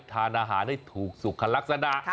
ทานอาหารให้ถูกสุขลักษณะ